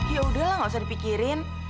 ya udahlah nggak usah dipikirin